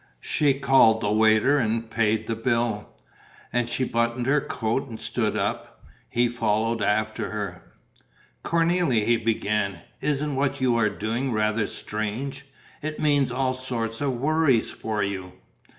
She called the waiter and paid the bill. And she buttoned her coat and stood up. He followed after her: "Cornélie," he began, "isn't what you are doing rather strange? It'll mean all sorts of worries for you."